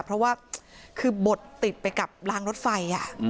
เพราะว่าบทติดไปกลับร้างรถไฟ